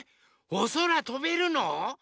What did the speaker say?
おそらとべるの？